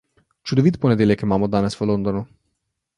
Čudovit ponedeljek imamo danes v Londonu.